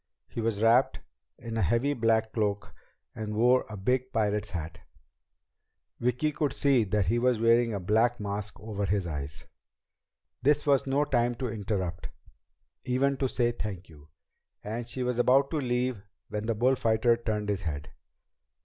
He was wrapped in a heavy black cloak and wore a big pirate's hat. Vicki could see that he was wearing a black mask over his eyes. This was no time to interrupt, even to say "Thank you," and she was about to leave when the bullfighter turned his head.